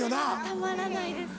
たまらないですね。